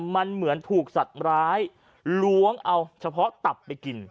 มันเหมือนถูกสัตว์ร้ายล้วงเอาเฉพาะตับไปกิน